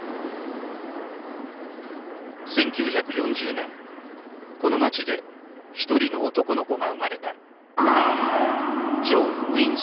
１９４０年この街で一人の男の子が生まれた。